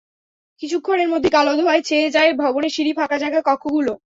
কিছুক্ষণের মধ্যেই কালো ধোঁয়ায় ছেয়ে যায় ভবনের সিঁড়ি, ফাঁকা জায়গা, কক্ষগুলো।